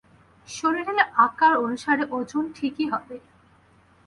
শরীরের আকার অনুসারে ওজন ঠিকই হবে।